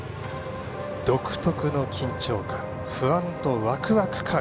独特の緊張感不安とワクワク感